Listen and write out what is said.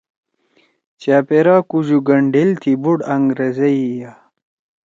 چأپیرا کُوژُو گھنڈیل تھی بُوڑ انگرَزئیا